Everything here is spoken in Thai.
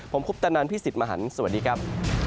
ผมคุปตะนันพี่สิทธิ์มหันฯสวัสดีครับ